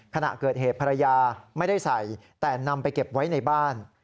ขณะเกิดเหตุภรรยาไม่ได้ใส่แต่นำไปเก็บไว้ในบ้าน